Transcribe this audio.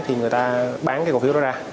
thì người ta bán cái cổ phiếu đó ra